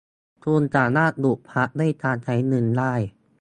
คุณสามารถหยุดพักด้วยการใช้เงินได้